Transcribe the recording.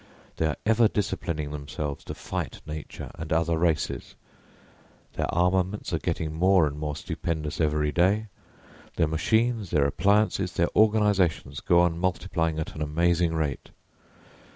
They are ever disciplining themselves to fight nature and other races; their armaments are getting more and more stupendous every day; their machines, their appliances, their organisations go on multiplying at an amazing rate.